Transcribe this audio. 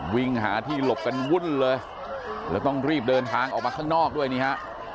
วิ่งหาที่หลบกันวุ่นเลยแล้วต้องรีบเดินทางออกมาข้างนอกด้วยนี่ฮะ